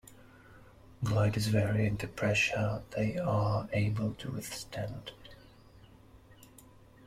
Gliders vary in the pressure they are able to withstand.